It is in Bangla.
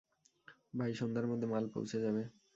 ভাই, সন্ধ্যার মধ্যে মাল পৌঁছে যাবে।